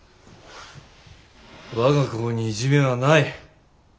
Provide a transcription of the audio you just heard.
我が校にいじめはない。